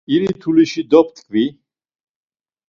İri tulişi dop̌t̆ǩvi.